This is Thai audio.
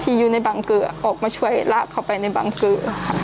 ที่อยู่ในบังเกอร์ออกมาช่วยลากเขาไปในบังเกอร์ค่ะ